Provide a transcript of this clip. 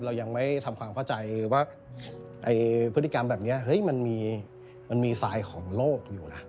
เรายังไม่ทำความเข้าใจว่าพฤติกรรมแบบนี้เฮ้ยมันมีสายของโลกอยู่นะ